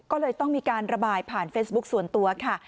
ก็เลยต้องมีการระบายผ่านเฟซบุ๊คส่วนตัวค่ะ